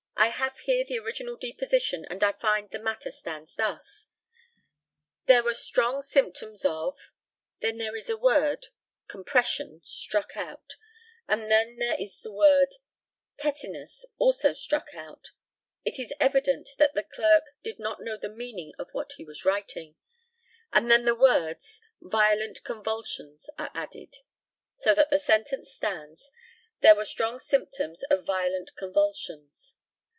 I have here the original deposition, and I find that the matter stands thus: "There were strong symptoms of" then there is the word "compression" struck out; and then there is the word "tetinus" also struck out it is evident that the clerk did not know the meaning of what he was writing and then the words "violent convulsions" are added; so that the sentence stands, "There were strong symptoms of violent convulsions."